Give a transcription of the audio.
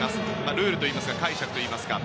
ルールといいますか解釈といいますか。